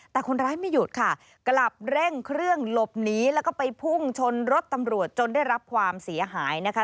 แต่คนร้ายไม่หยุดค่ะกลับเร่งเครื่องหลบหนีแล้วก็ไปพุ่งชนรถตำรวจจนได้รับความเสียหายนะคะ